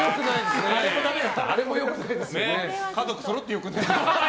家族そろって良くないですね。